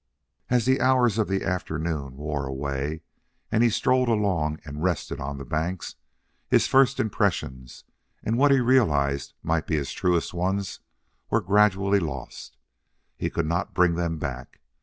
As the hours of the afternoon wore away, and he strolled along and rested on the banks, his first impressions, and what he realized might be his truest ones, were gradually lost. He could not bring them back.